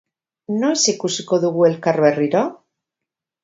Noiz ikusiko dugu elkar berriro?